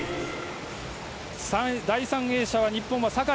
第３泳者は日本は酒井。